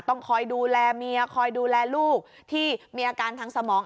ต้องคอยดูแลเมียคอยดูแลลูกที่มีอาการทางสมอง